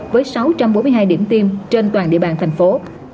với sáu trăm bốn mươi hai điểm tiêm trên toàn địa bàn thành phố